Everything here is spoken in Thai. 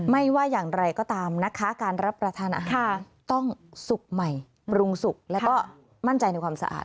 ไม่ว่าอย่างไรก็ตามนะคะการรับประทานอาหารต้องสุกใหม่ปรุงสุกแล้วก็มั่นใจในความสะอาด